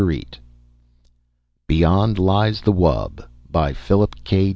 "_] BEYOND LIES THE WUB By PHILIP K.